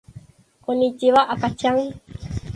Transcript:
こんにちは、あかちゃん